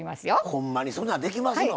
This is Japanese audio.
ほんまに、そんなんできますのん？